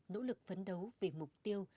nỗ lực phấn đấu về mục tiêu